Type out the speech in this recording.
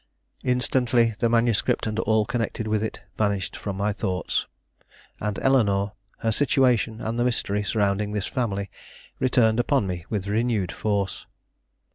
Instantly the manuscript and all connected with it vanished from my thoughts; and Eleanore, her situation, and the mystery surrounding this family, returned upon me with renewed force.